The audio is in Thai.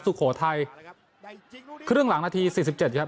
สุโขทัยครึ่งหลังนาที๔๗ครับ